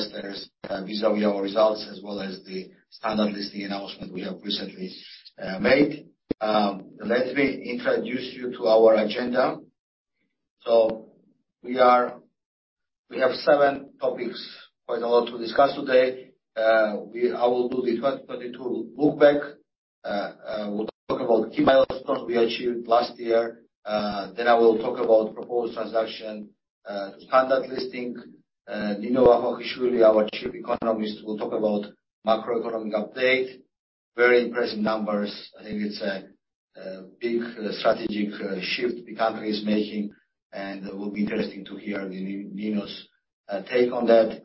Investors, vis-à-vis our results as well as the Standard Listing announcement we have recently made. Let me introduce you to our agenda. We have seven topics, quite a lot to discuss today. I will do the 2022 look back. We'll talk about key milestones we achieved last year. I will talk about proposed transaction to Standard Listing. Nino Vakhvakhishvili, our Chief Economist, will talk about macroeconomic update. Very impressive numbers. I think it's a big strategic shift the country is making, and it will be interesting to hear Nino's take on that.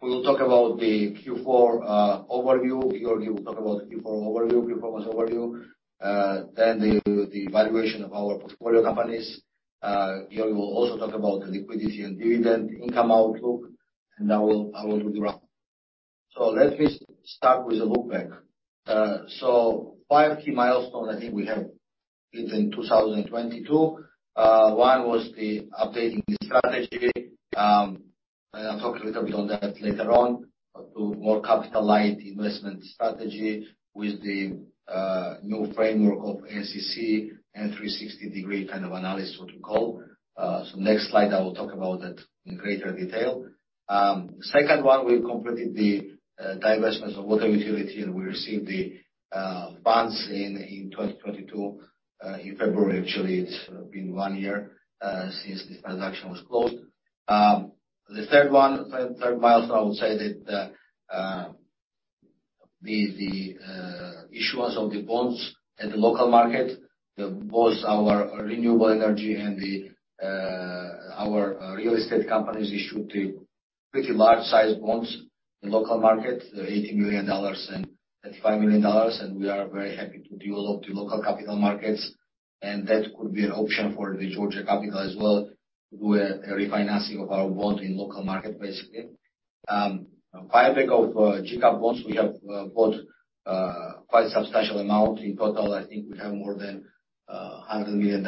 We will talk about the Q4 overview. Georgie will talk about the Q4 overview, Q4's overview. The valuation of our portfolio companies. Georgie will also talk about the liquidity and dividend income outlook, and I will do the wrap. Let me start with the look back. five key milestone I think we have hit in 2022. One was the updating the strategy. I'll talk a little bit on that later on. To more capital light investment strategy with the new framework of NCC and 360-degree kind of analysis, what you call. Next slide I will talk about that in greater detail. Second one, we've completed the divestment of water utility, and we received the funds in 2022, in February actually. It's been one year since this transaction was closed. The third one, third milestone, I would say that the issuance of the bonds at the local market, both our renewable energy and our real estate companies issued the pretty large size bonds in local market, $80 million and $35 million. We are very happy to develop the local capital markets, and that could be an option for Georgia Capital as well to do a refinancing of our bond in local market, basically. Buyback of GCAP bonds, we have bought quite substantial amount. In total, I think we have more than $100 million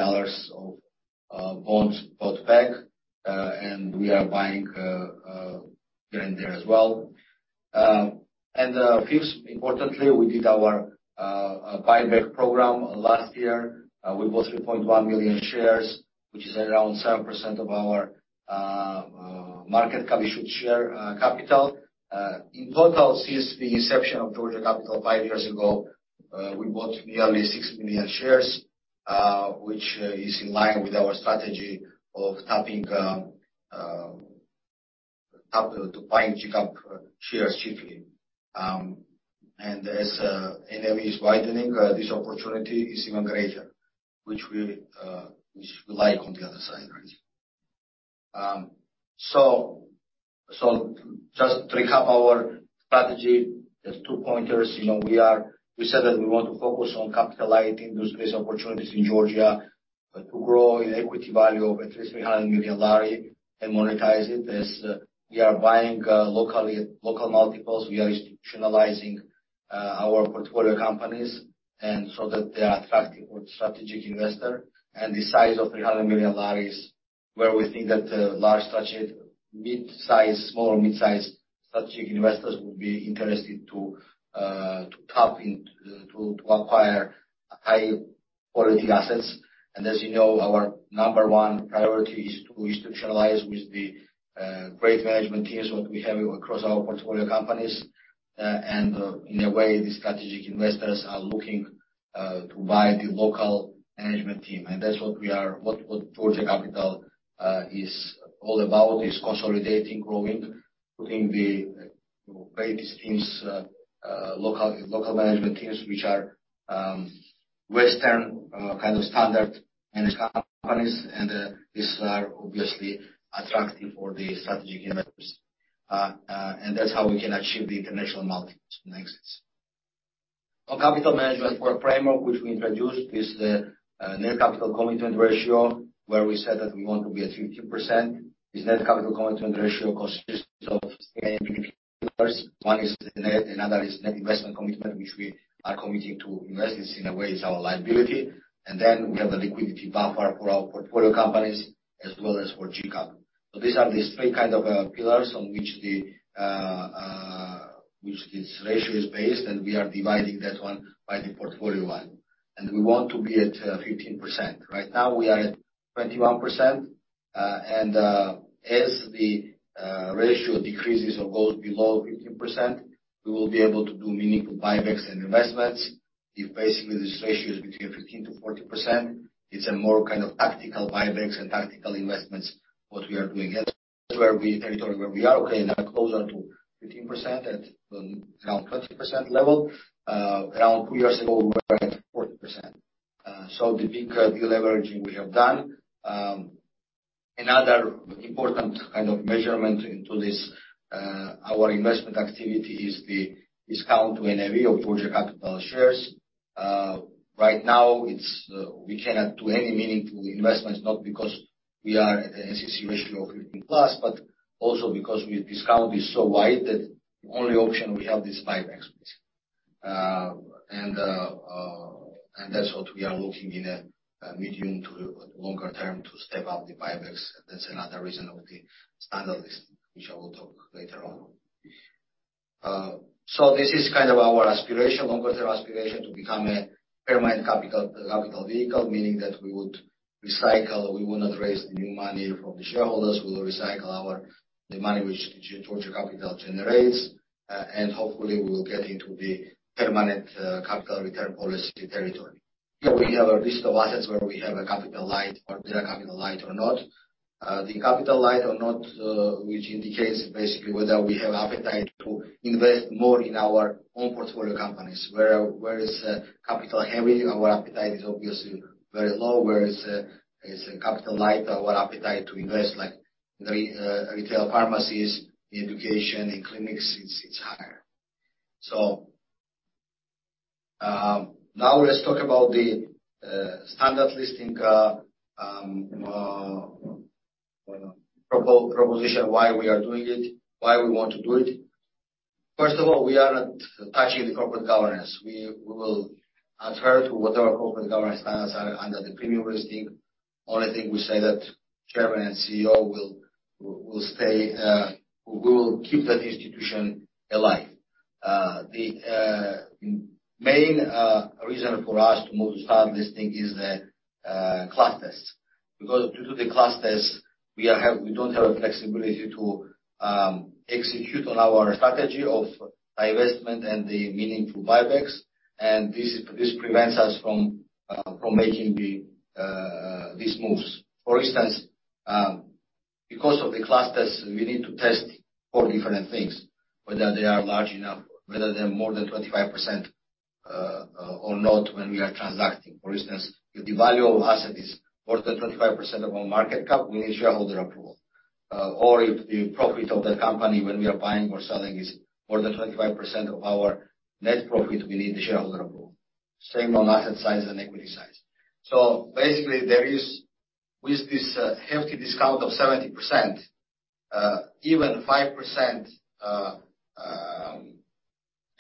of bonds bought back. We are buying here and there as well. Fifth, importantly, we did our buyback program last year. We bought 3.1 million shares, which is around 7% of our issued share capital. In total, since the inception of Georgia Capital five years ago, we bought nearly 6 million shares, which is in line with our strategy of tapping to buying GCAP shares chiefly. As NAV is widening, this opportunity is even greater, which we like on the other side, right? Just to recap our strategy. There's two pointers. You know, we said that we want to focus on capital light in those base opportunities in Georgia, to grow in equity value of at least GEL 300 million and monetize it. As we are buying locally at local multiples, we are institutionalizing our portfolio companies so that they are attractive for strategic investor. The size of GEL 300 million, where we think that mid-size, small or mid-size strategic investors would be interested to tap in to acquire high quality assets. As you know, our number one priority is to institutionalize with the great management teams what we have across our portfolio companies. In a way, the strategic investors are looking to buy the local management team. That's what Georgia Capital is all about, is consolidating, growing, putting the greatest teams, local management teams, which are Western kind of standard managed companies. These are obviously attractive for the strategic investors. That's how we can achieve the international multiples on exits. On capital management work framework which we introduced is the Net Capital Commitment ratio, where we said that we want to be at 15%. This Net Capital Commitment ratio consists of three pillars. One is net, another is net investment commitment, which we are committing to invest. This in a way is our liability. Then we have the liquidity buffer for our portfolio companies as well as for GCAP. These are the three kind of pillars on which the which this ratio is based, we are dividing that one by the portfolio one. We want to be at 15%. Right now, we are at 21%. As the ratio decreases or goes below 15%, we will be able to do meaningful buybacks and investments. If basically this ratio is between 15%-40%, it's a more kind of tactical buybacks and tactical investments, what we are doing. That's territory where we are okay now, closer to 15% at around 20% level. Around two years ago, we were at 40%. The big de-leveraging we have done. Another important kind of measurement into this, our investment activity is the discount to NAV of Georgia Capital shares. Right now it's, we cannot do any meaningful investments, not because we are at an NCC ratio of 15+, but also because discount is so wide that the only option we have is buybacks basically. That's what we are looking in a medium to longer term to step up the buybacks. That's another reason of the Standard list, which I will talk later on. This is kind of our aspiration, longer-term aspiration to become a permanent capital vehicle. Meaning that we would recycle, we will not raise the new money from the shareholders. We will recycle our the money which Georgia Capital generates, and hopefully we will get into the permanent, capital return policy territory. Here we have a list of assets where we have a capital light or they are capital light or not. The capital light or not, which indicates basically whether we have appetite to invest more in our own portfolio companies. Where is capital heavy, our appetite is obviously very low. Where is capital light, our appetite to invest like retail pharmacies, in education, in clinics, it's higher. Now let's talk about the Standard Listing proposition, why we are doing it, why we want to do it. First of all, we are not touching the corporate governance. We will adhere to whatever corporate governance standards are under the Premium Listing. Only thing we say that chairman and CEO will stay. We will keep that institution alive. The main reason for us to move to Standard Listing is the class tests. Due to the class tests, we don't have a flexibility to execute on our strategy of divestment and the meaning to buybacks, and this prevents us from making these moves. For instance, because of the class tests, we need to test four different things, whether they are large enough, whether they're more than 25%, or not when we are transacting. For instance, if the value of asset is more than 25% of our market cap, we need shareholder approval. If the profit of that company when we are buying or selling is more than 25% of our net profit, we need the shareholder approval. Same on asset size and equity size. Basically, there is, with this, hefty discount of 70%, even 5%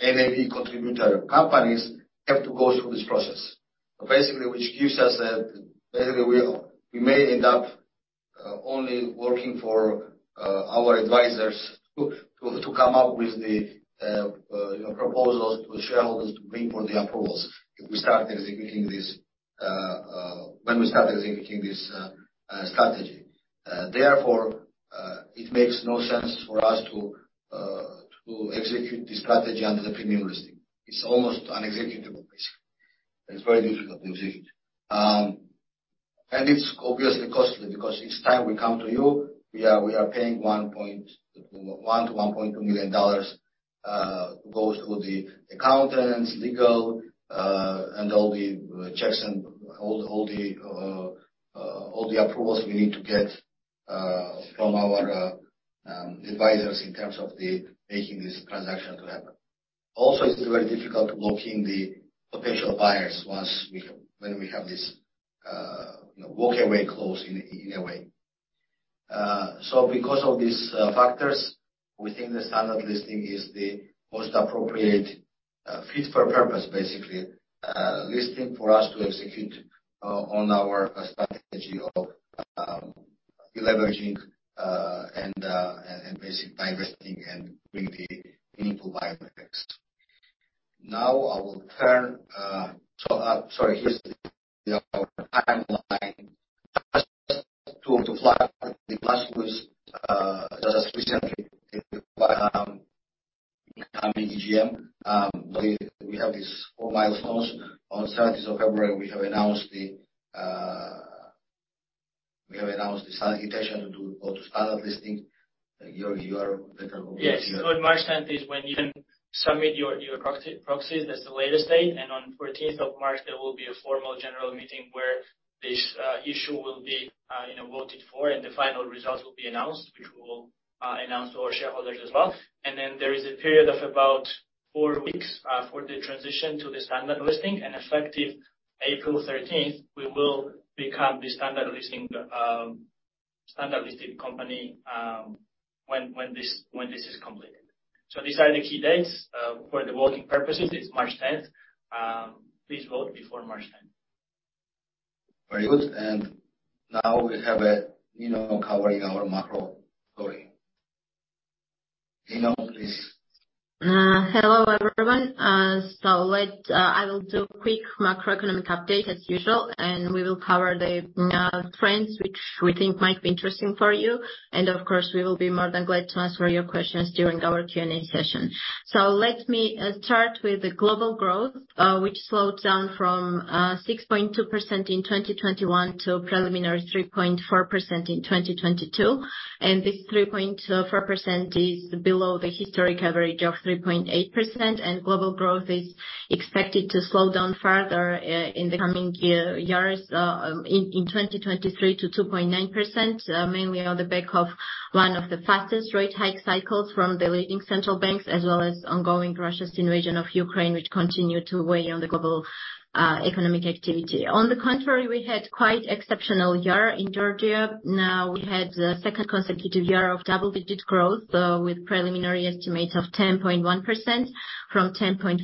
NAV contributor companies have to go through this process. We may end up only working for our advisors to come up with the, you know, proposals to the shareholders to bring for the approvals when we start executing this strategy. It makes no sense for us to execute the strategy under the Premium Listing. It's almost unexecutable. It's very difficult to execute. It's obviously costly because each time we come to you, we are paying one point... $1 million-$1.2 million goes to the accountants, legal, and all the checks and all the approvals we need to get from our advisors in terms of the making this transaction to happen. It's very difficult blocking the potential buyers when we have this, you know, walk-away clause in a way. Because of these factors, we think the Standard Listing is the most appropriate, fit for purpose, basically, listing for us to execute on our strategy of deleveraging and basic divesting and bring the meaningful buybacks. I will turn to-- Sorry, here's our timeline. To flag the grassroots, just recently, coming EGM, we have these four milestones. On 17th of February, we have announced the solicitation to Standard Listing. Giorgi, you are better with. Yes. On March 10th is when you can submit your proxy, proxies. That's the latest date. On 14th of March, there will be a formal general meeting where this, you know, issue will be voted for, and the final results will be announced, which we will announce to our shareholders as well. There is a period of about four weeks for the transition to the Standard Listing. Effective April 13th, we will become the Standard Listing, standard listed company when this is completed. These are the key dates. For the voting purposes, it's March 10th. Please vote before March 10th. Very good. Now we have Nino covering our macro story. Hello everyone. Let, I will do quick macroeconomic update as usual, and we will cover the trends which we think might be interesting for you. Of course, we will be more than glad to answer your questions during our Q&A session. Let me start with the global growth, which slowed down from 6.2% in 2021 to preliminary 3.4% in 2022. This 3.4% is below the historic average of 3.8%. Global growth is expected to slow down further in the coming years in 2023 to 2.9%, mainly on the back of one of the fastest rate hike cycles from the leading central banks, as well as ongoing Russia's invasion of Ukraine, which continue to weigh on the global economic activity. On the contrary, we had quite exceptional year in Georgia. Now we had the second consecutive year of double-digit growth with preliminary estimates of 10.1% from 10.5%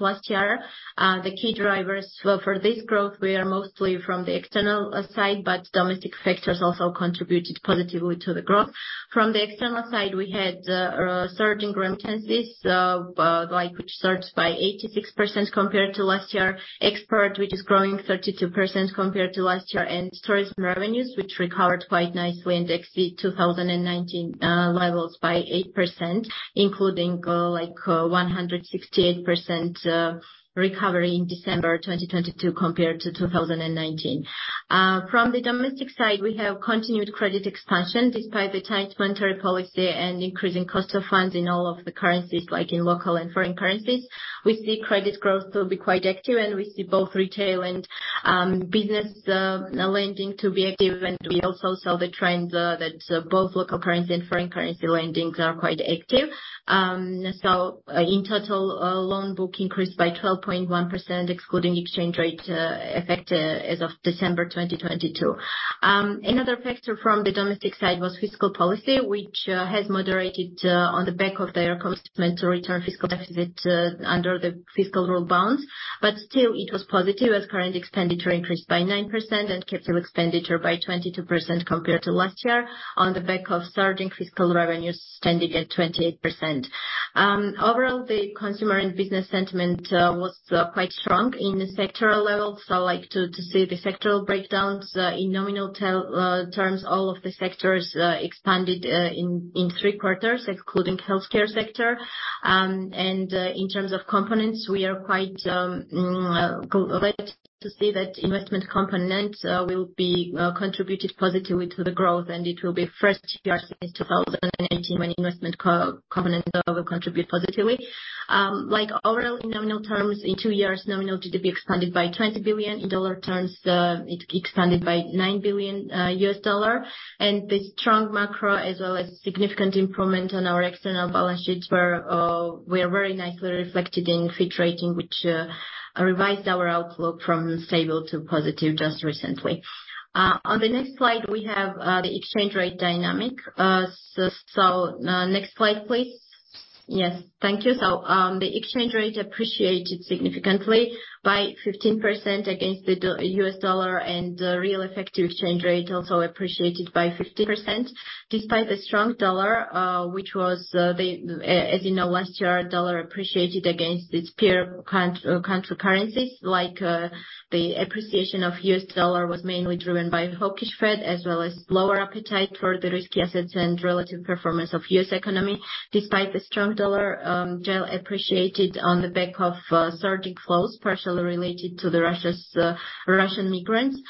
last year. The key drivers for this growth were mostly from the external side, but domestic factors also contributed positively to the growth. From the external side, we had surging remittances, like which surged by 86% compared to last year. Export, which is growing 32% compared to last year, and tourism revenues, which recovered quite nicely and exceed 2019 levels by 8%, including 168% recovery in December 2022 compared to 2019. From the domestic side, we have continued credit expansion despite the tight monetary policy and increasing cost of funds in all of the currencies, like in local and foreign currencies. We see credit growth to be quite active, and we see both retail and business lending to be active. We also saw the trends that both local currency and foreign currency lendings are quite active. In total, loan book increased by 12.1%, excluding exchange rate effect, as of December 2022. Another factor from the domestic side was fiscal policy, which has moderated on the back of their commitment to return fiscal activity to under the fiscal rule bounds. Still, it was positive as current expenditure increased by 9% and capital expenditure by 22% compared to last year on the back of surging fiscal revenues standing at 28%. Overall, the consumer and business sentiment was quite strong in the sectoral level. Like to see the sectoral breakdowns in nominal terms, all of the sectors expanded in 3 quarters, including healthcare sector. In terms of components, we are quite glad to see that investment component will be contributed positively to the growth, and it will be first year since 2018 when investment component will contribute positively. Like overall in nominal terms, in two years nominal GDP expanded by $20 billion. In dollar terms, it expanded by $9 billion. The strong macro, as well as significant improvement on our external balance sheets were very nicely reflected in Fitch Rating, which revised our outlook from stable to positive just recently. On the next slide, we have the exchange rate dynamic. So, next slide, please. Yes. Thank you. The exchange rate appreciated significantly by 15% against the U.S. dollar and real effective exchange rate also appreciated by 15% despite the strong dollar, which was as you know, last year, dollar appreciated against its peer counter currencies. The appreciation of U.S. dollar was mainly driven by hawkish Fed, as well as lower appetite for the risky assets and relative performance of U.S. Economy. Despite the strong dollar, GEL appreciated on the back of surging flows partially related to Russia's Russian immigrants.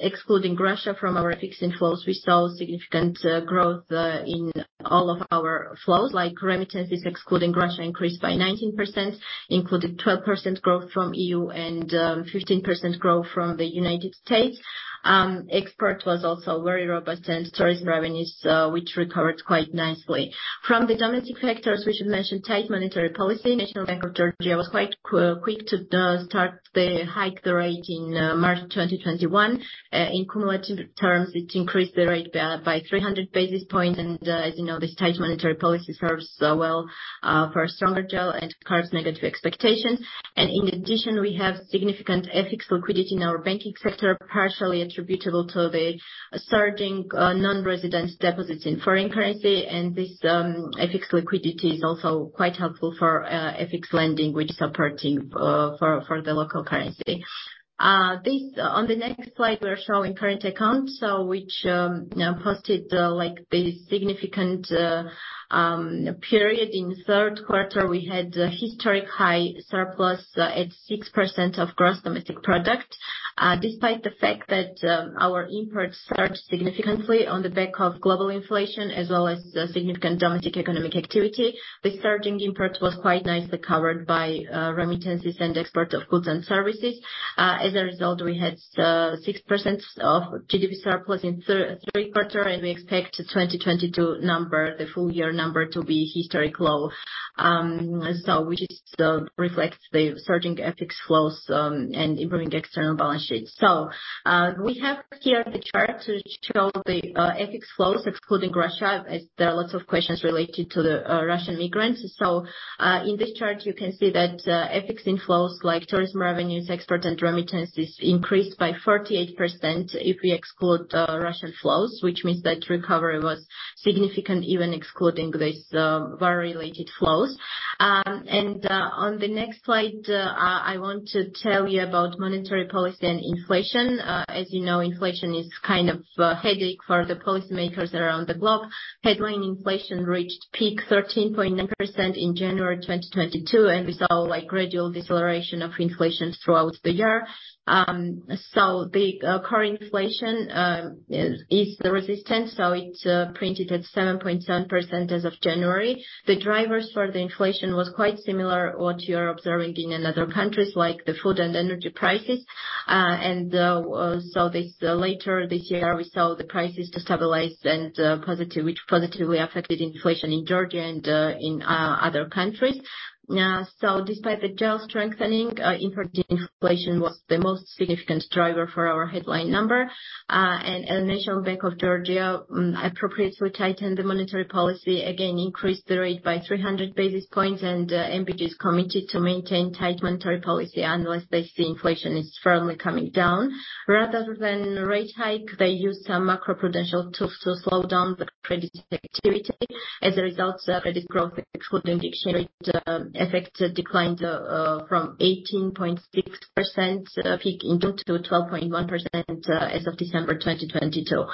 Excluding Russia from our fixed inflows, we saw significant growth in all of our flows, like remittances excluding Russia increased by 19%, including 12% growth from EU and 15% growth from the United States. Export was also very robust and tourism revenues, which recovered quite nicely. From the domestic factors, we should mention tight monetary policy. National Bank of Georgia was quite quick to start the hike the rate in March 2021. In cumulative terms, it increased the rate by 300 basis points. As you know, this tight monetary policy serves well for a stronger GEL and curbs negative expectations. In addition, we have significant FX liquidity in our banking sector, partially attributable to the surging non-residents deposits in foreign currency. This FX liquidity is also quite helpful for FX lending, which is supporting for the local currency. On the next slide, we are showing current accounts, which, you know, posted like the significant period. In the third quarter, we had a historic high surplus at 6% of gross domestic product. Despite the fact that our imports surged significantly on the back of global inflation, as well as the significant domestic economic activity, the surging imports was quite nicely covered by remittances and exports of goods and services. As a result, we had 6% of GDP surplus in third quarter, and we expect 2022 number, the full year number to be historic low. Which is reflects the surging FX flows and improving external balance sheets. We have here the chart to show the FX flows excluding Russia, as there are lots of questions related to the Russian migrants. In this chart you can see that FX inflows like tourism revenues, export and remittances increased by 48% if we exclude Russian flows, which means that recovery was significant even excluding this war-related flows. On the next slide, I want to tell you about monetary policy and inflation. As you know, inflation is kind of a headache for the policymakers around the globe. Headline inflation reached peak 13.9% in January 2022, and we saw, like, gradual deceleration of inflation throughout the year. The core inflation is the resistance, so it printed at 7.7% as of January. The drivers for the inflation was quite similar what you are observing in another countries, like the food and energy prices. This later this year, we saw the prices destabilize and which positively affected inflation in Georgia and in other countries. Despite the GEL strengthening, import deflation was the most significant driver for our headline number. National Bank of Georgia appropriately tightened the monetary policy, again increased the rate by 300 basis points, and NBG is committed to maintain tight monetary policy unless they see inflation is firmly coming down. Rather than rate hike, they used some macroprudential tools to slow down the credit activity. As a result, credit growth, excluding the exchange rate effect declined from 18.6% peak in June to 12.1% as of December 2022.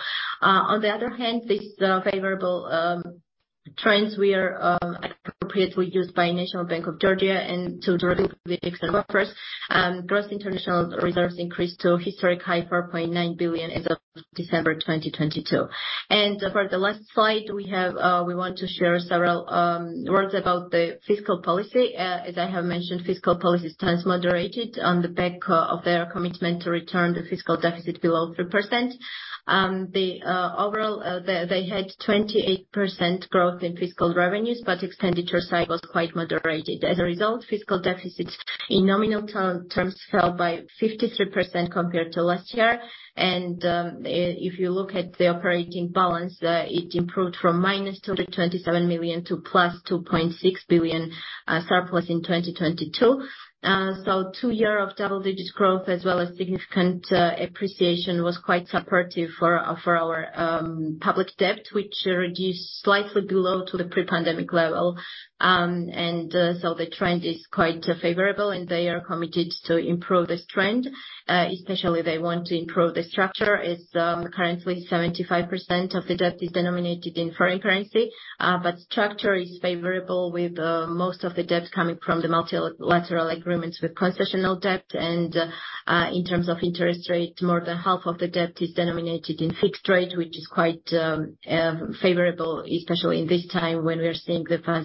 On the other hand, these favorable trends were appropriately used by National Bank of Georgia and to directly gross international reserves increased to historic high GEL 4.9 billion as of December 2022. For the last slide, we have, we want to share several words about the fiscal policy. As I have mentioned, fiscal policy stance moderated on the back of their commitment to return the fiscal deficit below 3%. The overall, they had 28% growth in fiscal revenues, but expenditure side was quite moderated. As a result, fiscal deficits in nominal terms fell by 53% compared to last year. If you look at the operating balance, it improved from -GEL 227 million-+GEL 2.6 billion surplus in 2022. Two year of double-digit growth, as well as significant appreciation was quite supportive for for our public debt, which reduced slightly below to the pre-pandemic level. The trend is quite favorable, and they are committed to improve this trend. Especially they want to improve the structure. It's currently 75% of the debt is denominated in foreign currency. Structure is favorable with most of the debt coming from the multilateral agreements with concessional debt. In terms of interest rate, more than half of the debt is denominated in fixed rate, which is quite favorable, especially in this time when we're seeing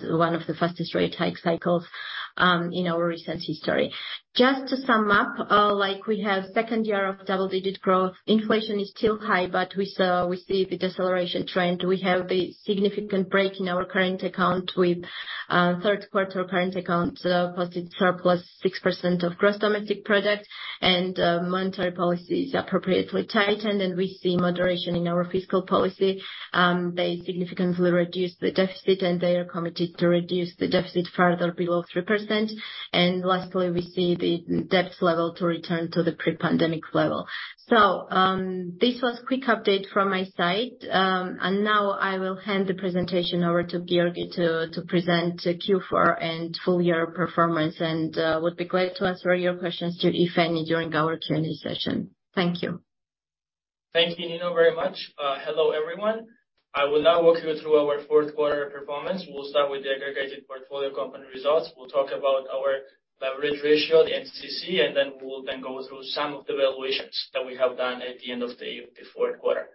one of the fastest rate hike cycles in our recent history. Just to sum up, like we have second year of double-digit growth. Inflation is still high, we see the deceleration trend. We have a significant break in our current account with third quarter current accounts posted surplus 6% of gross domestic product. Monetary policy is appropriately tightened, and we see moderation in our fiscal policy. They significantly reduced the deficit, and they are committed to reduce the deficit further below 3%. Lastly, we see the depth level to return to the pre-pandemic level. This was quick update from my side. Now I will hand the presentation over to Giorgi to present Q4 and full year performance. Would be glad to answer your questions too, if any, during our Q&A session. Thank you. Thank you, Nino, very much. Hello, everyone. I will now walk you through our fourth quarter performance. We'll start with the aggregated portfolio company results. We'll talk about our leverage ratio, the NCC, and then we will go through some of the valuations that we have done at the end of the fourth quarter.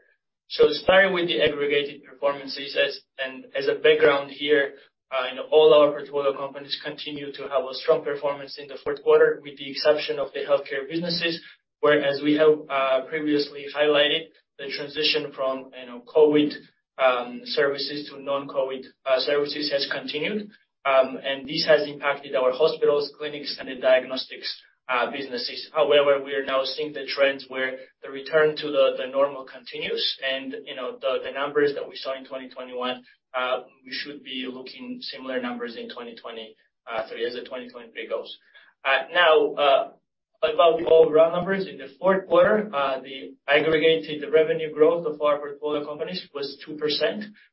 Starting with the aggregated performances, and as a background here, you know, all our portfolio companies continue to have a strong performance in the fourth quarter, with the exception of the healthcare businesses, where, as we have previously highlighted, the transition from, you know, COVID services to non-COVID services has continued. This has impacted our hospitals, clinics, and the diagnostics businesses. However, we are now seeing the trends where the return to the normal continues, you know, the numbers that we saw in 2021, we should be looking similar numbers in 2023 as the 2023 goes. Now, about overall numbers. In the fourth quarter, the aggregated revenue growth of our portfolio companies was 2%.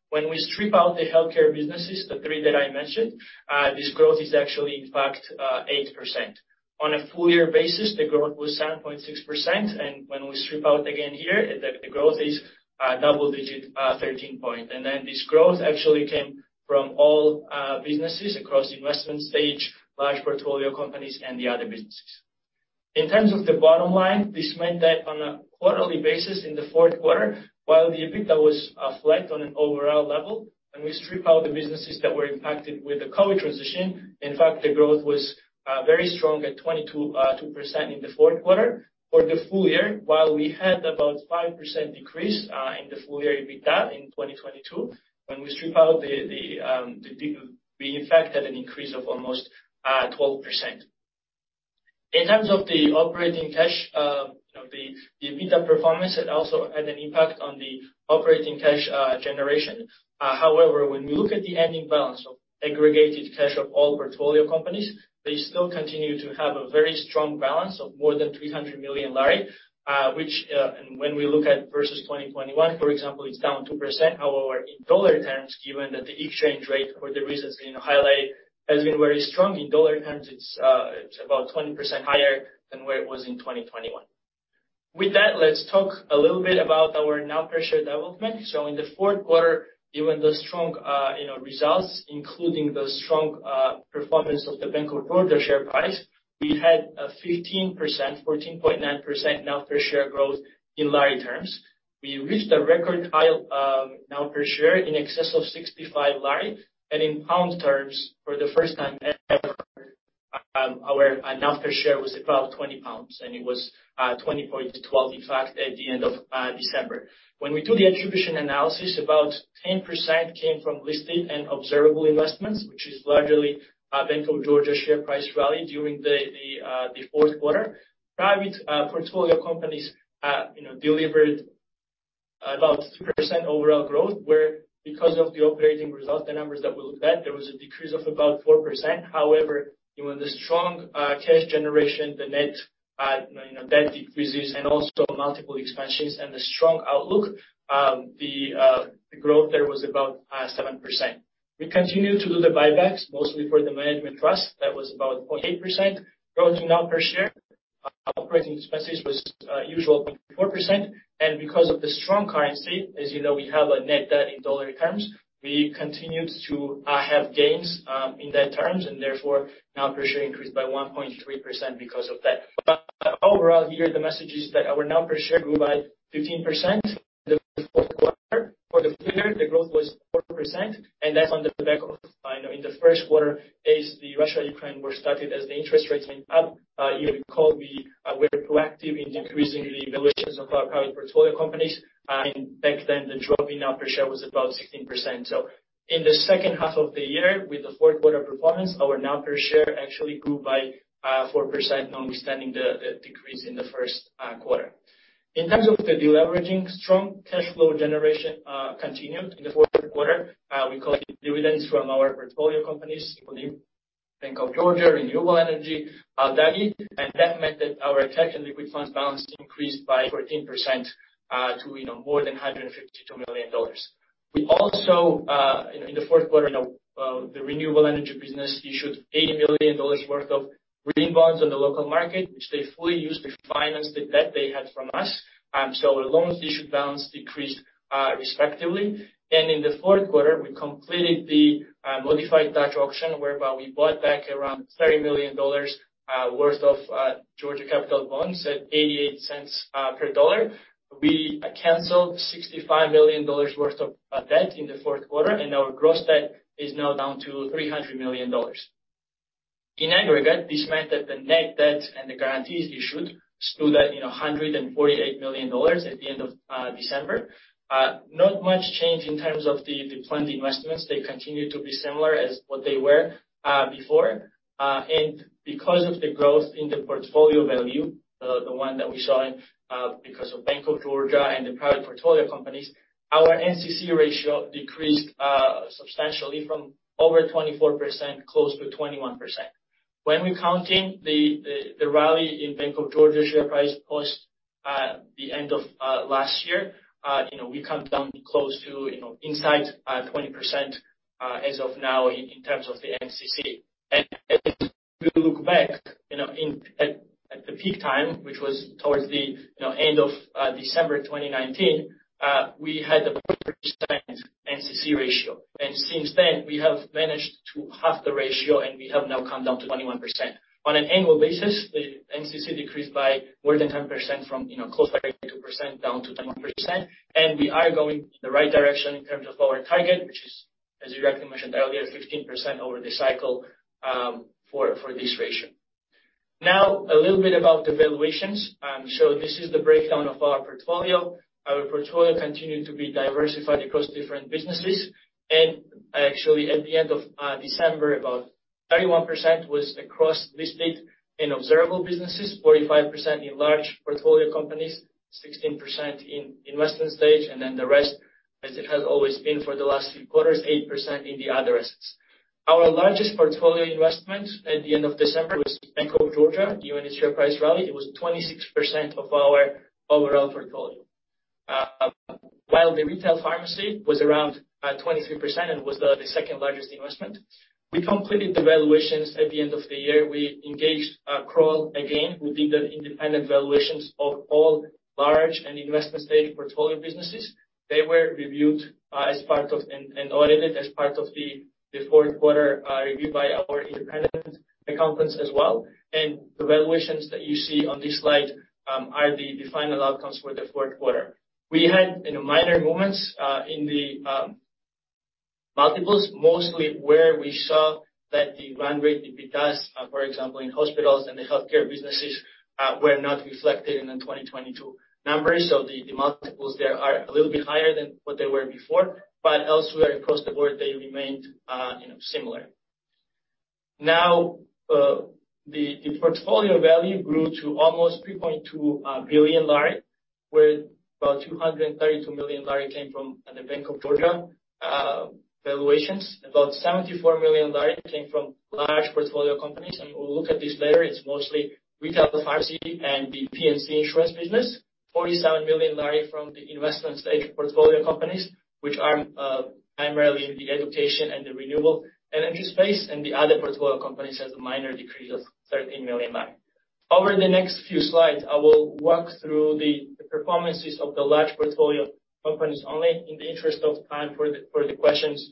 When we strip out the healthcare businesses, the three that I mentioned, this growth is actually in fact, 8%. On a full year basis, the growth was 7.6%, and when we strip out again here, the growth is double digit, 13 point. This growth actually came from all businesses across investment stage, large portfolio companies, and the other businesses. In terms of the bottom line, this meant that on a quarterly basis in the fourth quarter, while the EBITDA was flat on an overall level, when we strip out the businesses that were impacted with the COVID transition, in fact, the growth was very strong at 22.2% in the fourth quarter. For the full year, while we had about 5% decrease in the full year EBITDA in 2022, when we strip out the, we in fact had an increase of almost 12%. In terms of the operating cash, you know, the EBITDA performance, it also had an impact on the operating cash generation. However, when we look at the ending balance of aggregated cash of all portfolio companies, they still continue to have a very strong balance of more than GEL 300 million. When we look at versus 2021, for example, it's down 2%. However, in dollar terms, given that the exchange rate for the reasons being highlighted has been very strong. In dollar terms, it's about 20% higher than where it was in 2021. With that, let's talk a little bit about our NAV per share development. In the fourth quarter, given the strong, you know, results, including the strong performance of the Bank of Georgia share price, we had a 15%, 14.9% NAV per share growth in lari terms. We reached a record high NAV per share in excess of 65 GEL. In pound terms, for the first time ever, our NAV per share was above 20 pounds, and it was 20.12 in fact at the end of December. When we do the attribution analysis, about 10% came from listed and observable investments, which is largely Bank of Georgia share price rally during the fourth quarter. Private portfolio companies, you know, delivered about 2% overall growth, where because of the operating results, the numbers that we looked at, there was a decrease of about 4%. However, given the strong cash generation, the net, you know, debt decreases and also multiple expansions and the strong outlook, the growth there was about 7%. We continued to do the buybacks mostly for the management trust. That was about 0.8%. Growth in NAV per share, OpEx was usual, 0.4%. Because of the strong currency, as you know, we have a net debt in dollar terms. We continued to have gains in that terms, and therefore, NAV per share increased by 1.3% because of that. Overall, here the message is that our NAV per share grew by 15% in the fourth quarter. For the full year, the growth was 4%, and that's on the back of, you know, in the first quarter, as the Russia-Ukraine war started, as the interest rates went up, you recall we were proactive in decreasing the valuations of our private portfolio companies. Back then, the drop in NAV per share was about 16%. In the second half of the year, with the fourth quarter performance, our NAV per share actually grew by 4% notwithstanding the decrease in the first quarter. In terms of the deleveraging, strong cash flow generation continued in the fourth quarter. We collected dividends from our portfolio companies, including Bank of Georgia, Renewable Energy, Dani. That meant that our cash and liquid funds balance increased by 14%, to, you know, more than $152 million. We also, in the fourth quarter, you know, the Renewable Energy business issued $80 million worth of green bonds on the local market, which they fully used to finance the debt they had from us. Loans issued balance decreased respectively. In the fourth quarter, we completed the modified Dutch auction, whereby we bought back around $30 million worth of Georgia Capital bonds at $0.88 per dollar. We canceled $65 million worth of debt in the fourth quarter, and our gross debt is now down to $300 million. In aggregate, this meant that the net debt and the guarantees issued stood at, you know, $148 million at the end of December. Not much change in terms of the planned investments. They continue to be similar as what they were before. Because of the growth in the portfolio value, the one that we saw in because of Bank of Georgia and the private portfolio companies, our NCC ratio decreased substantially from over 24% close to 21%. When we're counting the rally in Bank of Georgia's share price post the end of last year, you know, we come down close to, you know, inside 20% as of now in terms of the NCC. As we look back, you know, at the peak time, which was towards the, you know, end of December 2019, we had about 40% NCC ratio. Since then, we have managed to half the ratio, and we have now come down to 21%. On an annual basis, the NCC decreased by more than 10% from, you know, close to 22% down to 10%. We are going in the right direction in terms of our target, which is, as you correctly mentioned earlier, 15% over the cycle for this ratio. Now, a little bit about the valuations. This is the breakdown of our portfolio. Our portfolio continued to be diversified across different businesses. Actually, at the end of December, about 31% was across listed and observable businesses, 45% in large portfolio companies, 16% in investment stage, the rest, as it has always been for the last few quarters, 8% in the other assets. Our largest portfolio investment at the end of December was Bank of Georgia. Given its share price rally, it was 26% of our overall portfolio. While the retail pharmacy was around 23% and was the second largest investment, we completed the valuations at the end of the year. We engaged Kroll again, who did the independent valuations of all large and investment-stage portfolio businesses. They were reviewed as part of and audited as part of the fourth quarter review by our independent accountants as well. The valuations that you see on this slide are the final outcomes for the fourth quarter. We had, you know, minor movements in the multiples, mostly where we saw that the run rate EBITDA, for example, in hospitals and the healthcare businesses, were not reflected in the 2022 numbers. The multiples there are a little bit higher than what they were before, but elsewhere across the board, they remained, you know, similar. The portfolio value grew to almost GEL 3.2 billion, where about GEL 232 million came from the Bank of Georgia valuations. About GEL 74 million came from large portfolio companies. We'll look at this later. It's mostly retail pharmacy and the P&C insurance business. GEL 47 million from the investment-stage portfolio companies, which are primarily in the education and the renewable energy space. The other portfolio companies has a minor decrease of GEL 13 million. Over the next few slides, I will walk through the performances of the large portfolio companies only in the interest of time for the questions.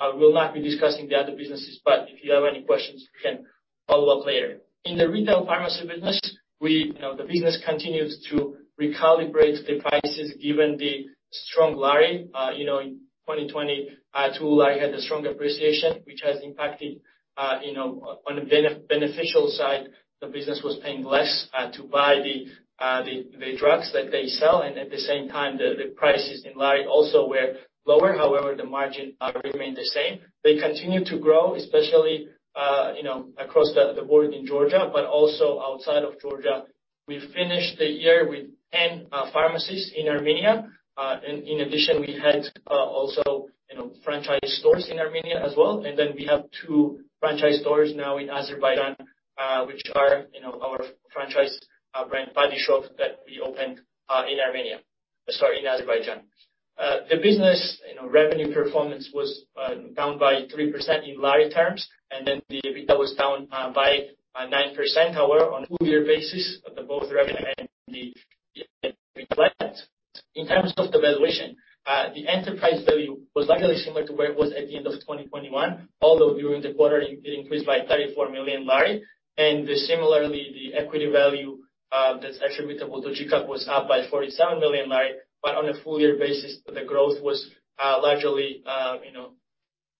I will not be discussing the other businesses. If you have any questions, we can follow up later. In the retail pharmacy business, we, you know, the business continues to recalibrate the prices given the strong lari. You know, in 2020, lari had a strong appreciation, which has impacted, you know, on a beneficial side, the business was paying less to buy the drugs that they sell, and at the same time, the prices in lari also were lower. However, the margin remained the same. They continue to grow, especially, you know, across the board in Georgia, but also outside of Georgia. We finished the year with 10 pharmacies in Armenia. In addition, we had also, you know, franchise stores in Armenia as well. We have 2 franchise stores now in Azerbaijan, which are, you know, our franchise, brand Body Shop that we opened in Armenia. Sorry, in Azerbaijan. The business, you know, revenue performance was down by 3% in lari terms. The EBITDA was down by 9%. On a full year basis, in terms of the valuation, the enterprise value was largely similar to where it was at the end of 2021, although during the quarter it increased by GEL 34 million. Similarly, the equity value, that's attributable to GCAP was up by GEL 47 million. On a full year basis, the growth was largely, you know,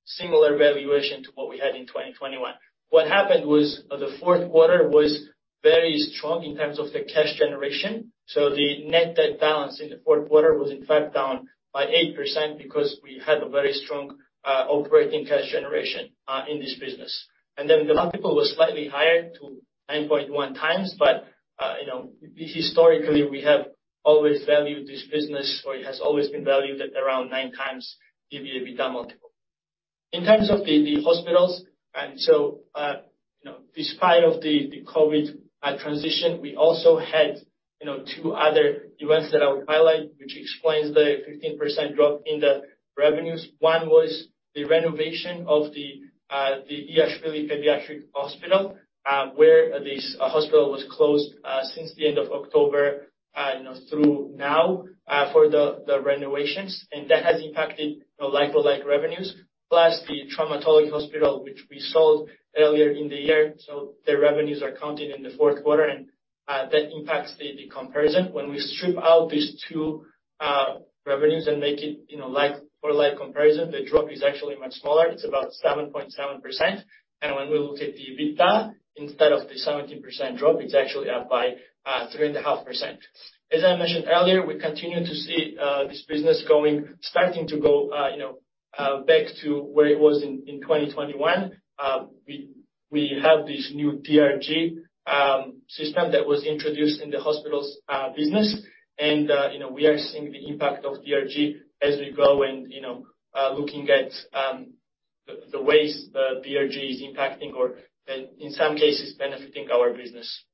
similar valuation to what we had in 2021. What happened was the fourth quarter was very strong in terms of the cash generation. The net debt balance in the fourth quarter was in fact down by 8% because we had a very strong operating cash generation in this business. The multiple was slightly higher to 9.1x. You know, historically, we have always valued this business, or it has always been valued at around 9x EBITDA multiple. In terms of the hospitals, you know, despite of the COVID transition, we also had, you know, two other events that I would highlight, which explains the 15% drop in the revenues. One was the renovation of the Iashvili Pediatric Hospital, where this hospital was closed since the end of October, you know, through now, for the renovations. That has impacted, you know, like-to-like revenues, plus the traumatology hospital, which we sold earlier in the year. The revenues are counted in the fourth quarter and that impacts the comparison. When we strip out these two revenues and make it, you know, like-for-like comparison, the drop is actually much smaller. It's about 7.7%. When we look at the EBITDA, instead of the 17% drop, it's actually up by 3.5%. As I mentioned earlier, we continue to see this business starting to go, you know, back to where it was in 2021. We have this new DRG system that was introduced in the hospitals business. You know, we are seeing the impact of DRG as we go and, you know, looking at the ways the DRG is impacting or in some cases benefiting our business.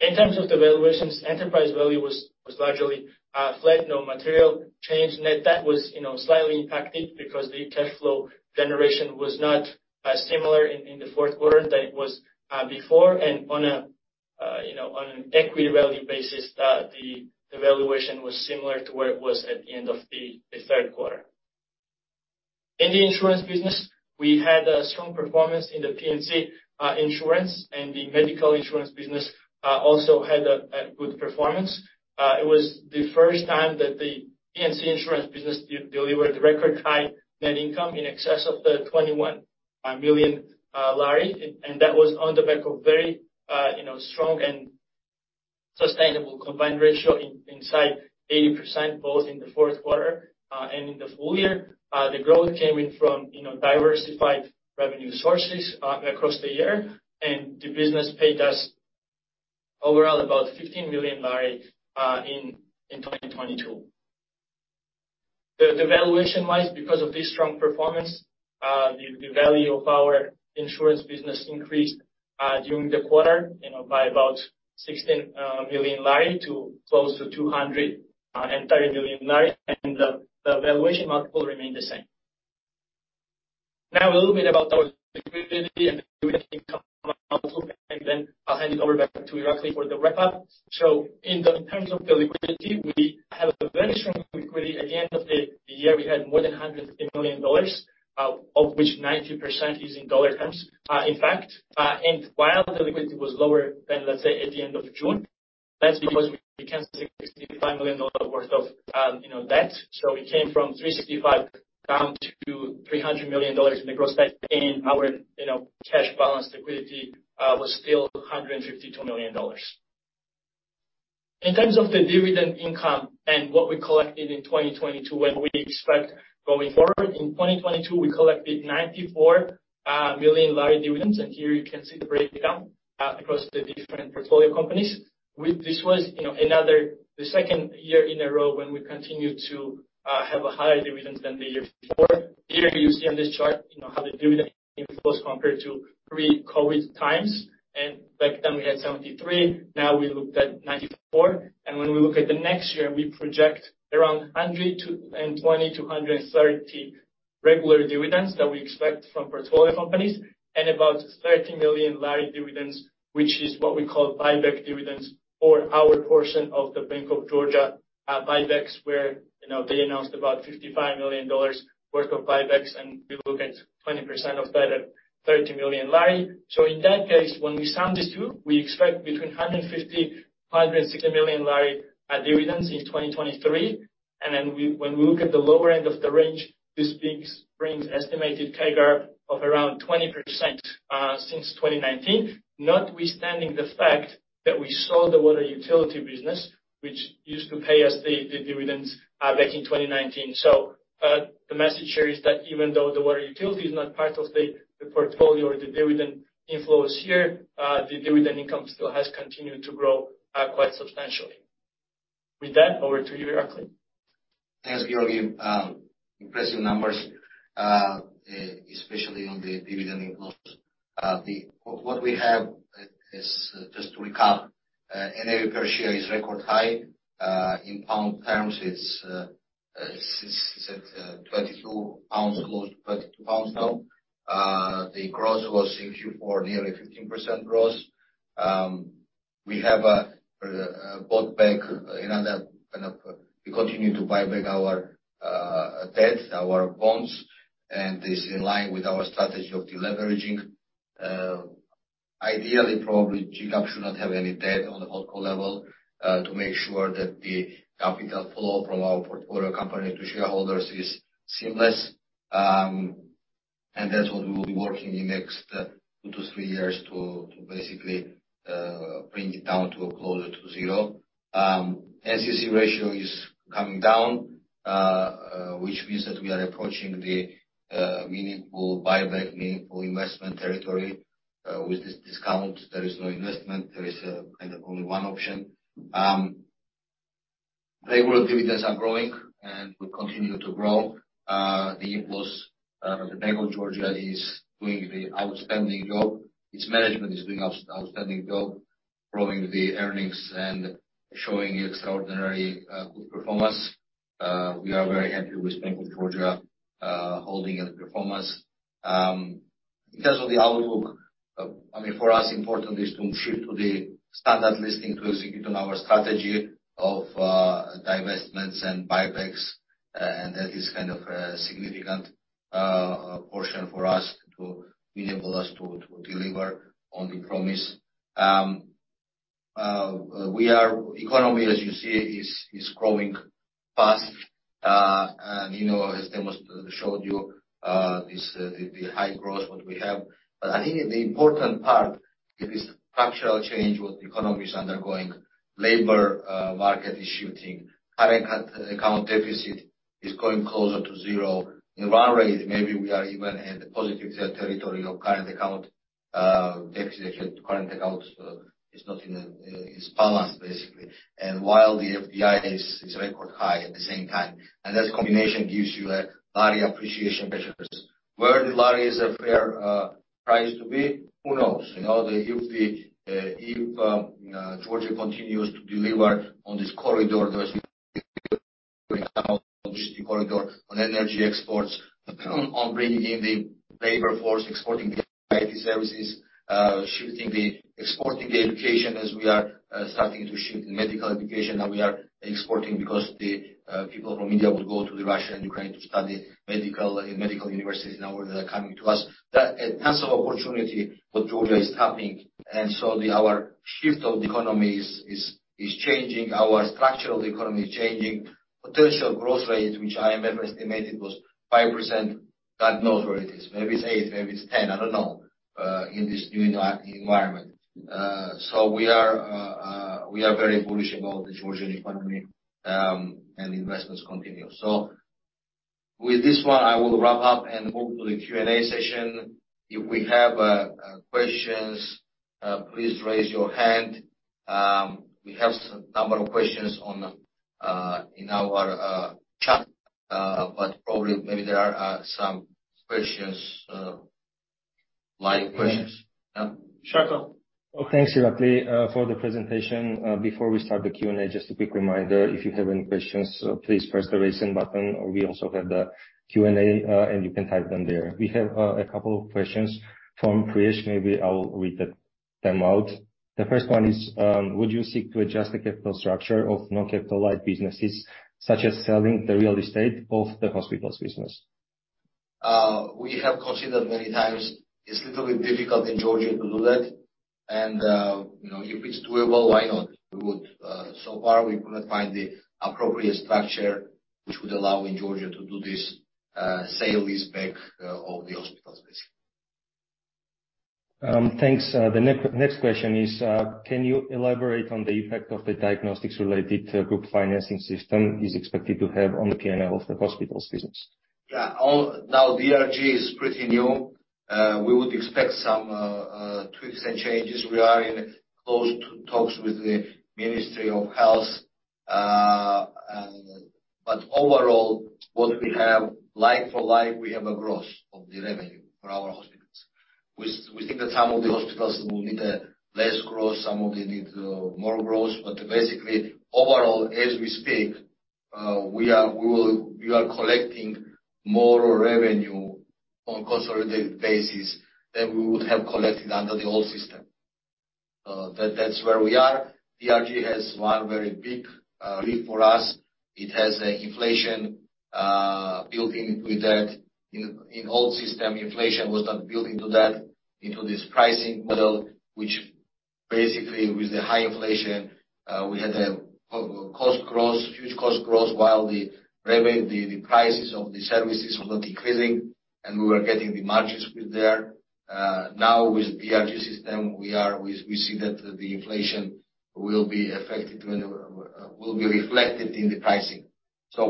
In terms of the valuations, enterprise value was largely flat, no material change. Net debt was, you know, slightly impacted because the cash flow generation was not as similar in the fourth quarter than it was before. On a, you know, on an equity value basis, the valuation was similar to where it was at the end of the third quarter. In the insurance business, we had a strong performance in the P&C insurance, and the medical insurance business also had a good performance. It was the first time that the P&C insurance business delivered record high net income in excess of GEL 21 million. That was on the back of very, you know, strong and sustainable combined ratio inside 80%, both in the fourth quarter and in the full year. The growth came in from, you know, diversified revenue sources across the year, and the business paid us overall about GEL 15 million in 2022. The valuation-wise, because of this strong performance, the value of our insurance business increased during the quarter, you know, by about GEL 16 million to close to GEL 230 million, and the valuation multiple remained the same. A little bit about our liquidity and dividend income and then I'll hand it over back to Irakli for the wrap-up. In the terms of the liquidity, we have a very strong liquidity. At the end of the year, we had more than $100 million, of which 90% is in dollar terms. In fact, while the liquidity was lower than, let's say, at the end of June, that's because we canceled $65 million worth of, you know, debt. We came from 365 down to $300 million in the gross debt, and our, you know, cash balance liquidity was still $152 million. In terms of the dividend income and what we collected in 2022 and we expect going forward, in 2022 we collected GEL 94 million dividends. Here you can see the breakdown across the different portfolio companies. This was, you know, another-- the second year in a row when we continued to have a higher dividends than the year before. Here you see on this chart, you know, how the dividend inflows compared to pre-COVID times. Back then we had GEL 73 million, now we looked at GEL 94 million. When we look at the next year, we project around 120-130 regular dividends that we expect from portfolio companies, and about GEL 30 million dividends, which is what we call buyback dividends for our portion of the Bank of Georgia buybacks, where, you know, they announced about $55 million worth of buybacks, and we look at 20% of that at GEL 30 million. In that case, when we sum these two, we expect between GEL 150 million and GEL 160 million dividends in 2023. When we look at the lower end of the range, this brings estimated CAGR of around 20% since 2019, notwithstanding the fact that we sold the water utility business, which used to pay us the dividends back in 2019. The message here is that even though the water utility is not part of the portfolio or the dividend inflows here, the dividend income still has continued to grow quite substantially. With that, over to you, Irakli. Thanks, Giorgi. Impressive numbers, especially on the dividend inflows. What we have is, just to recap, NAV per share is record high. In pound terms, it's set 22 pounds, close to 22 pounds now. The growth was in Q4 nearly 15% growth. We have bought back. We continue to buy back our debt, our bonds, and this is in line with our strategy of deleveraging. Ideally, probably, GCAP should not have any debt on the holdco level to make sure that the capital flow from our portfolio company to shareholders is seamless. That's what we will be working in next two to three years to basically, bring it down to a closer to zero. NCC ratio is coming down, which means that we are approaching the meaningful buyback, meaningful investment territory. With this discount, there is no investment. There is kind of only one option. Regular dividends are growing and will continue to grow. The inflows, the Bank of Georgia is doing the outstanding job. Its management is doing outstanding job growing the earnings and showing extraordinary good performance. We are very happy with Bank of Georgia holding and performance. In terms of the outlook, I mean, for us, important is to shift to the Standard Listing to execute on our strategy of divestments and buybacks, and that is kind of a significant portion for us to enable us to deliver on the promise. Economy, as you see, is growing fast. You know, as Nino showed you, this, the high growth what we have. I think the important part is structural change what the economy is undergoing. Labor market is shifting. Current account deficit is going closer to zero. In run rate, maybe we are even at the positive territory of current account deficit. Current account is not in a. It's balanced, basically. While the FDI is record high at the same time, and that combination gives you that lari appreciation pressures. Where the lari is a fair price to be, who knows? You know, if the, if Georgia continues to deliver on this corridor on energy exports, on bringing in the labor force, exporting the IT services, shifting. exporting the education as we are starting to shift in medical education that we are exporting because the people from India would go to the Russia and Ukraine to study medical in medical universities. Now they are coming to us. Tons of opportunity what Georgia is tapping, our shift of the economy is changing. Our structure of the economy is changing. Potential growth rate, which IMF estimated was 5%, God knows where it is. Maybe it's 8, maybe it's 10, I don't know, in this new environment. We are very bullish about the Georgian economy, and investments continue. With this one, I will wrap up and move to the Q&A session. If we have questions, please raise your hand. We have some number of questions on the in our chat. Probably maybe there are some questions, live questions. Shako. Well, thanks, Irakli, for the presentation. Before we start the Q&A, just a quick reminder. If you have any questions, please press the raise hand button, or we also have the Q&A, and you can type them there. We have a couple of questions from Priyesh. Maybe I will read them out. The first one is, would you seek to adjust the capital structure of non-capital light businesses, such as selling the real estate of the hospitals business? We have considered many times. It's little bit difficult in Georgia to do that. You know, if it's doable, why not? We would. So far, we could not find the appropriate structure which would allow in Georgia to do this sale-leaseback of the hospitals basically. Thanks. The next question is, can you elaborate on the effect of the Diagnosis-Related Group financing system is expected to have on the P&L of the hospitals business? Yeah. Now, DRG is pretty new. We would expect some tweaks and changes. We are in close to talks with the Ministry of Health. Overall, what we have like for like, we have a growth of the revenue for our hospitals. We think that some of the hospitals will need a less growth, some of them need more growth. Basically, overall, as we speak, we are collecting more revenue on consolidated basis than we would have collected under the old system. That's where we are. DRG has one very big leap for us. It has a inflation built in with that. In old system, inflation was not built into that, into this pricing model, which basically with the high inflation, we had a huge cost growth while the revenue, the prices of the services were not increasing, and we were getting the margins with there. Now with DRG system, we see that the inflation will be affected when-- will be reflected in the pricing.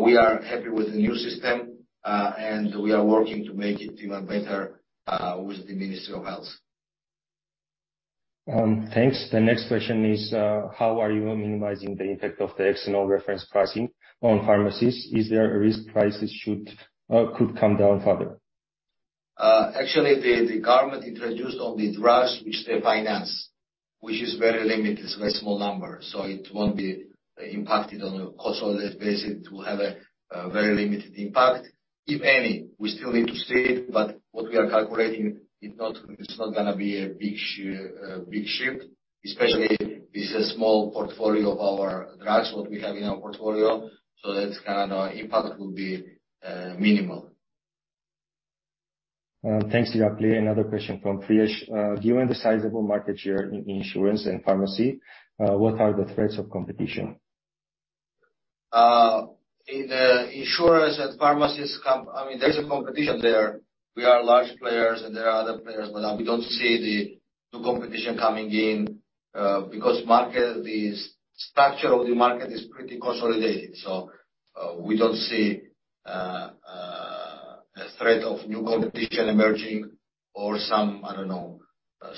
We are happy with the new system, and we are working to make it even better with the Ministry of Health. Thanks. The next question is, how are you minimizing the impact of the external reference pricing on pharmacies? Is there a risk prices could come down further? Actually the government introduced on the drugs which they finance, which is very limited. It's very small number. It won't be impacted on a consolidated basis. It will have a very limited impact, if any. We still need to see it, but what we are calculating, it's not gonna be a big shift, especially this is small portfolio of our drugs, what we have in our portfolio. That's kinda impact will be minimal. Thanks, Irakli. Another question from Priyesh. Given the sizable market share in insurance and pharmacy, what are the threats of competition? In the insurance and pharmacies, I mean, there's a competition there. We are large players and there are other players, but we don't see the new competition coming in because structure of the market is pretty consolidated. We don't see a threat of new competition emerging or some, I don't know,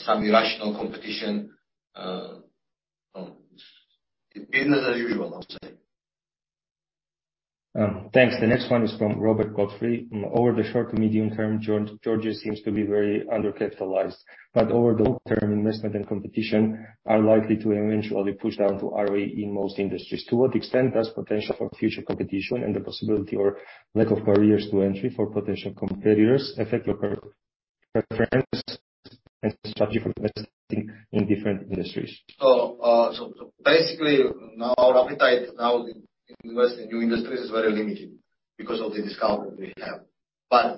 some irrational competition. It's business as usual, I would say. Thanks. The next one is from Robert Godfrey. Over the short to medium term, Georgia seems to be very undercapitalized. Over the long term, investment and competition are likely to eventually push down to ROE in most industries. To what extent does potential for future competition and the possibility or lack of barriers to entry for potential competitors affect your pre-preference and strategy for investing in different industries? Basically now our appetite now in investing in new industries is very limited because of the discount that we have.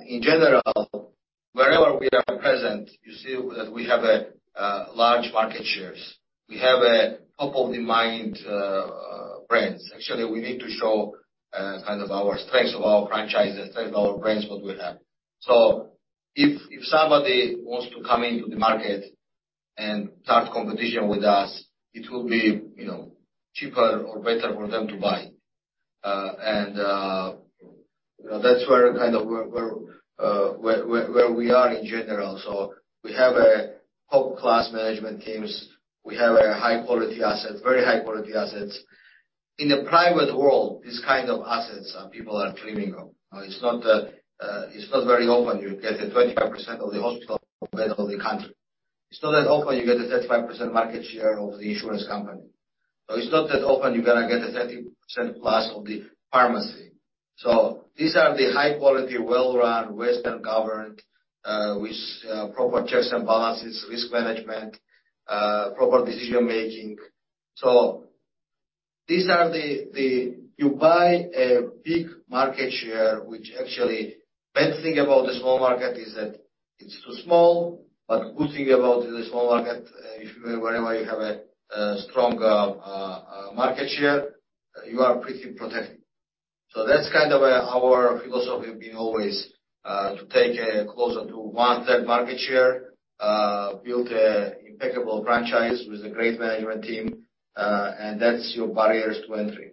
In general, wherever we are present, you see that we have a large market shares. We have a top of the mind brands. Actually, we need to show kind of our strengths of our franchises and our brands, what we have. If somebody wants to come into the market and start competition with us, it will be, you know, cheaper or better for them to buy. You know, that's where kind of where we are in general. We have a top class management teams. We have a high quality assets, very high quality assets. In the private world, these kind of assets, people are dreaming of. It's not very often you get a 25% of the hospital bed of the country. It's not that often you get a 35% market share of the insurance company. It's not that often you're gonna get a 30% plus of the pharmacy. These are the high quality, well-run, Western-governed, with proper checks and balances, risk management, proper decision-making. These are the-- You buy a big market share which actually bad thing about the small market is that it's too small. Good thing about the small market, if you wherever you have a strong market share, you are pretty protected. That's kind of, our philosophy being always, to take, closer to 1/3 market share. Build a impeccable franchise with a great management team, and that's your barriers to entry.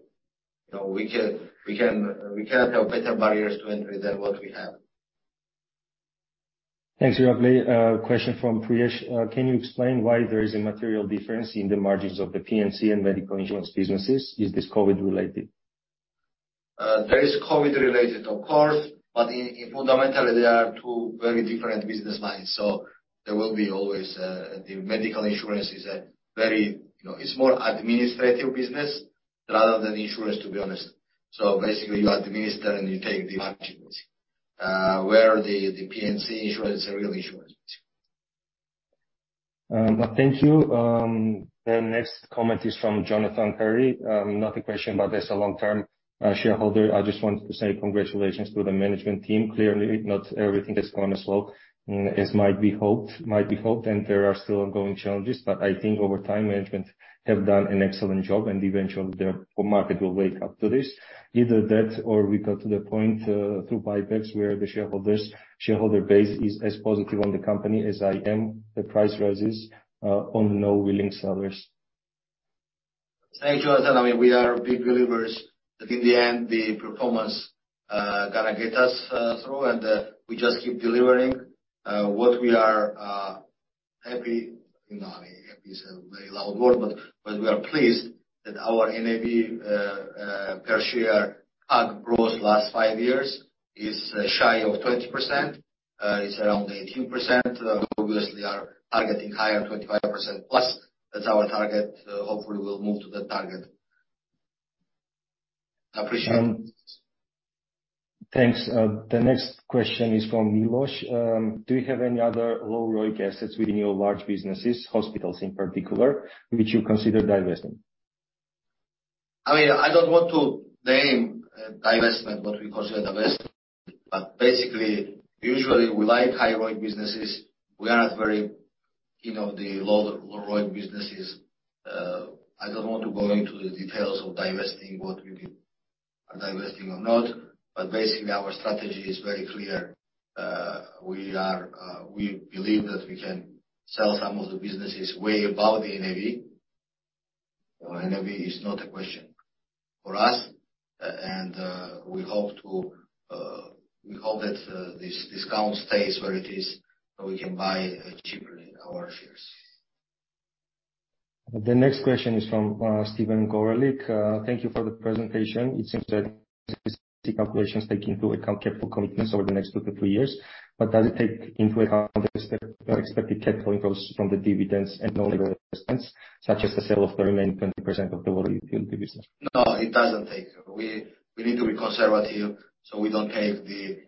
You know, we cannot have better barriers to entry than what we have. Thanks, Irakli. Question from Priyesh. Can you explain why there is a material difference in the margins of the P&C and medical insurance businesses? Is this COVID-related? That is COVID-related, of course, but fundamentally, they are two very different business lines. There will be always the medical insurance is a very, you know, it's more administrative business rather than insurance, to be honest. Basically, you administer and you take the action, where the P&C insurance is a real insurance basically. Thank you. The next comment is from Jonathan Perry. Not a question, but as a long-term shareholder, I just wanted to say congratulations to the management team. Clearly not everything has gone as well as might be hoped, and there are still ongoing challenges. I think over time, management have done an excellent job, and eventually their market will wake up to this. Either that or we got to the point through buybacks where the shareholder base is as positive on the company as I am. The price rises on no willing sellers. Thank you, Jonathan. I mean, we are big believers that in the end, the performance gonna get us through, and we just keep delivering what we are happy. You know, I mean, happy is a very loud word, but we are pleased that our NAV per share CAG growth last five years is shy of 20%, it's around 18%. Obviously are targeting higher, 25% plus. That's our target. Hopefully we'll move to that target. I appreciate it. Thanks. The next question is from Milos. Do you have any other low ROIC assets within your large businesses, hospitals in particular, which you consider divesting? I mean, I don't want to name a divestment what we consider divestment, but basically, usually we like high ROIC businesses. We are not very, you know, the low, low ROIC businesses. I don't want to go into the details of divesting what we do or divesting or not, but basically, our strategy is very clear. We believe that we can sell some of the businesses way above the NAV. NAV is not a question for us, and we hope that this discount stays where it is, so we can buy cheaper our shares. The next question is from Steven Gorelik. Thank you for the presentation. It seems that the calculations take into account capital commitments over the next two to three years. Does it take into account expected capital inflows from the dividends and non-recurring events, such as the sale of the remaining 20% of the oil field business? No, it doesn't take. We need to be conservative, so we don't take the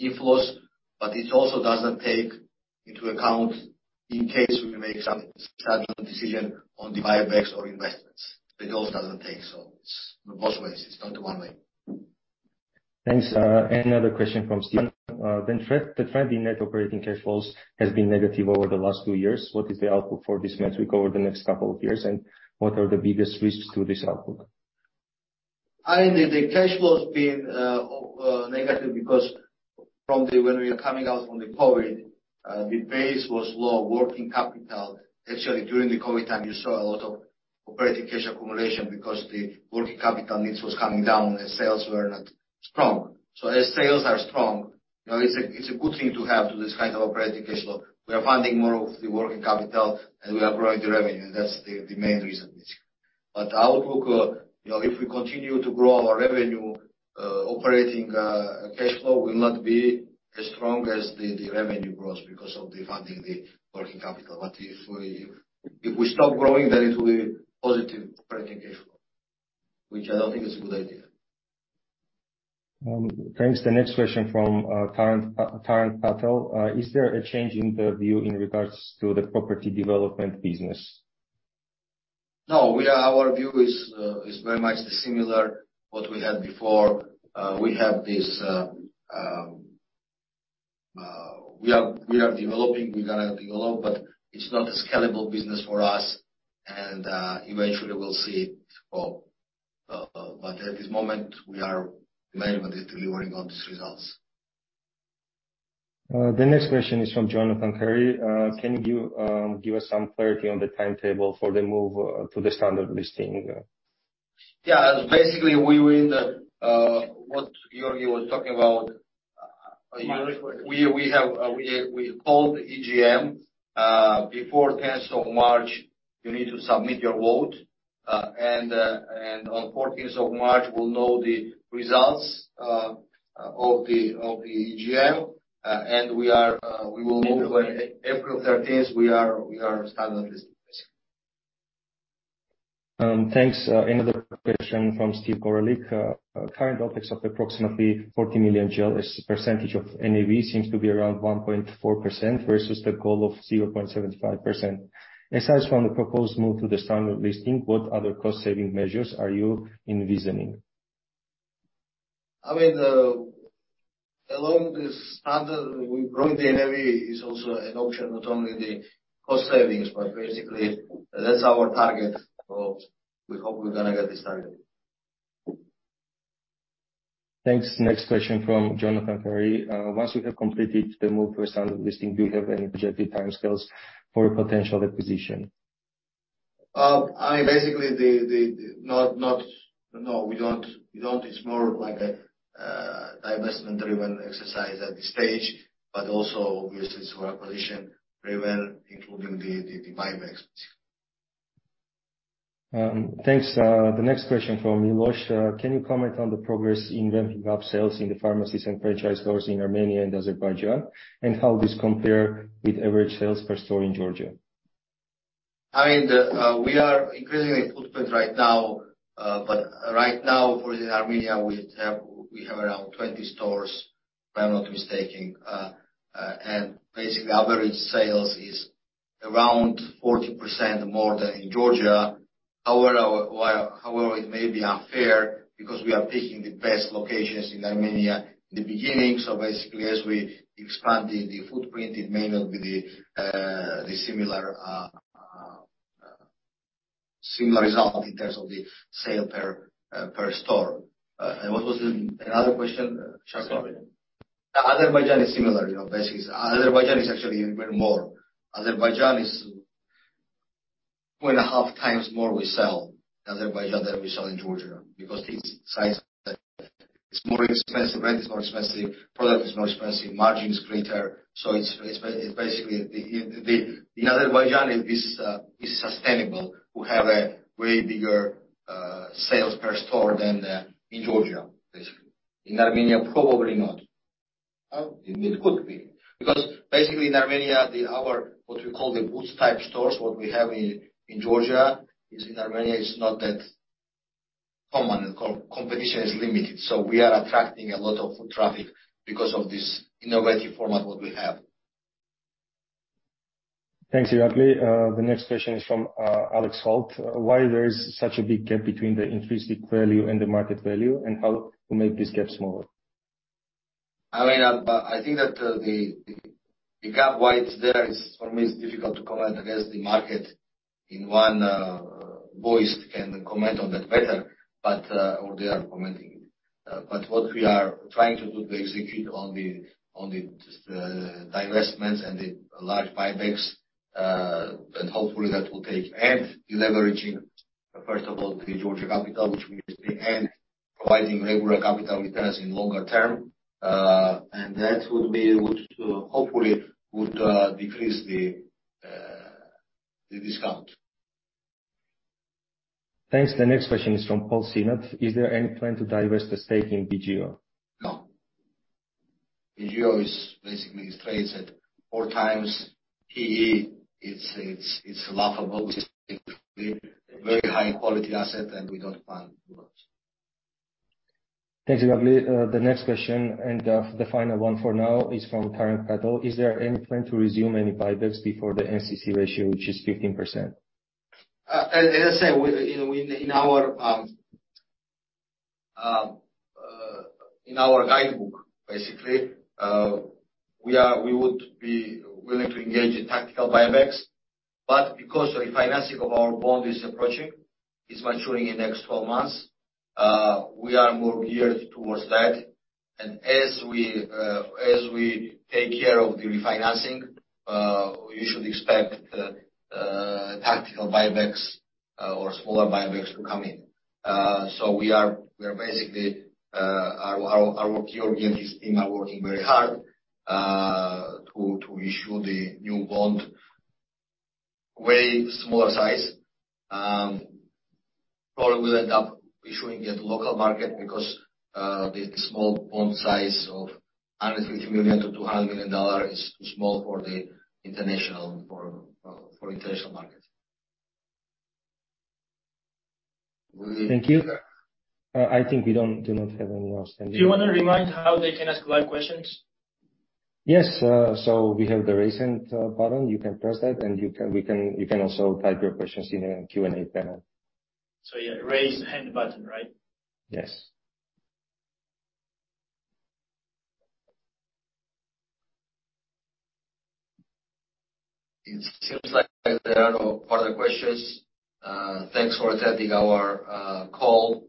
inflows, but it also doesn't take into account in case we make some strategic decision on the buybacks or investments. It also doesn't take, so it's both ways. It's not one way. Thanks. Another question from Steven. The trend in net operating cash flows has been negative over the last two years. What is the outlook for this metric over the next couple of years, and what are the biggest risks to this outlook? I think the cash flow's been negative because from the, when we are coming out from the COVID, the base was low working capital. Actually, during the COVID time, you saw a lot of operating cash accumulation because the working capital needs was coming down and sales were not strong. As sales are strong, you know, it's a good thing to have to this kind of operating cash flow. We are funding more of the working capital, and we are growing the revenue. That's the main reason basically. Outlook, you know, if we continue to grow our revenue, operating cash flow will not be as strong as the revenue growth because of the funding the working capital. If we stop growing, then it will be positive operating cash flow, which I don't think is a good idea. Thanks. The next question from Taran Patel. Is there a change in the view in regards to the property development business? No. Our view is very much the similar what we had before. We have this, we are developing, we're gonna develop, but it's not a scalable business for us. Eventually we'll see it fall. At this moment we are mainly delivering on these results. The next question is from Jonathan Perry. Can you give us some clarity on the timetable for the move to the Standard Listing? Yeah. Basically we will, what Georgi was talking about, we have called the EGM, before 10th of March. You need to submit your vote, and on 14th of March we'll know the results of the EGM. We are. April. April thirteenth we are Standard Listing, basically. Thanks. Another question from Steven Gorelick. Current OPEX of approximately GEL 40 million as a percentage of NAV seems to be around 1.4% versus the goal of 0.75%. Aside from the proposed move to the Standard Listing, what other cost saving measures are you envisioning? I mean, along the standard, we're growing the NAV is also an option, not only the cost savings, but basically that's our target growth. We hope we're gonna get this done. Thanks. Next question from Jonathan Perry. once you have completed the move for a Standard Listing, do you have any projected timescales for a potential acquisition? I mean, basically No, we don't. It's more of like a divestment-driven exercise at this stage, but also obviously it's for acquisition, very well, including the buybacks. Thanks. The next question from Milos. Can you comment on the progress in ramping up sales in the pharmacies and franchise stores in Armenia and Azerbaijan? How this compare with average sales per store in Georgia. I mean, we are increasing the footprint right now, but right now for Armenia we have around 20 stores, if I'm not mistaking. And basically our average sales is around 40% more than in Georgia. However, it may be unfair because we are taking the best locations in Armenia in the beginning, so basically as we expand the footprint, it may not be the similar similar result in terms of the sale per per store. And what was the another question, Charles? Sorry. Azerbaijan is similar, you know. Basically Azerbaijan is actually even more. Azerbaijan is 2.5 times more we sell Azerbaijan than we sell in Georgia because its size, it's more expensive, rent is more expensive, product is more expensive, margin is greater. It's basically. In Azerbaijan it is sustainable. We have a way bigger sales per store than in Georgia, basically. In Armenia, probably not. It could be. Because basically in Armenia, our, what we call the Boots-type stores, what we have in Georgia, is in Armenia is not that common. Competition is limited. We are attracting a lot of foot traffic because of this innovative format what we have. Thanks, Irakli. The next question is from Alex Holroyd-Jones. Why there is such a big gap between the intrinsic value and the market value, how to make this gap smaller? I mean, I think that the gap, why it's there is, for me, it's difficult to comment. I guess the market in one voice can comment on that better, but or they are commenting. What we are trying to do to execute on the just divestments and the large buybacks, and hopefully that will take-- Deleveraging, first of all, the Georgia Capital, which we see, and providing regular capital returns in longer term, and that would be, hopefully would decrease the discount. Thanks. The next question is from Paul Sinnott. Is there any plan to divest the stake in BGEO? No. BGEO is basically trades at 4x PE. It's laughable. It's basically a very high quality asset, and we don't plan to launch. Thanks, Irakli. The next question, the final one for now is from Taras Gado. Is there any plan to resume any buybacks before the NCC ratio, which is 15%? As I say, we, in our, in our guidebook, basically, we are, we would be willing to engage in tactical buybacks. Because the refinancing of our bond is approaching, it's maturing in the next 12 months, we are more geared towards that. As we take care of the refinancing, you should expect tactical buybacks or smaller buybacks to come in. We are basically, our Georgian team are working very hard to issue the new bond way smaller size. Probably will end up issuing at local market because the small bond size of $150 million-$200 million is too small for the international, for international market. Thank you. I think we do not have any more standing. Do you wanna remind how they can ask live questions? Yes. We have the Raise Hand button. You can press that and you can also type your questions in the Q&A panel. Yeah, Raise Hand button, right? Yes. It seems like there are no further questions. Thanks for attending our call.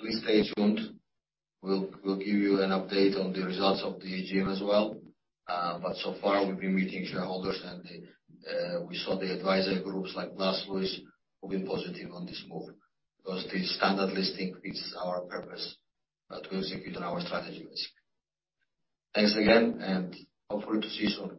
Please stay tuned. We'll give you an update on the results of the AGM as well. So far we've been meeting shareholders and we saw the advisory groups like Glass Lewis, who've been positive on this move. The Standard Listing fits our purpose that we execute on our strategy basically. Thanks again, and hopefully to see you soon.